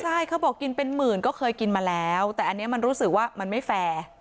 ใช่เขาบอกกินเป็นหมื่นก็เคยกินมาแล้วแต่อันนี้มันรู้สึกว่ามันไม่แฟร์